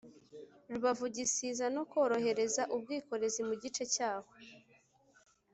Rubavu Gisiza no korohereza ubwikorezi mu gice cyaho